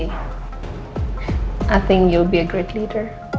saya pikir kamu akan menjadi pemimpin yang hebat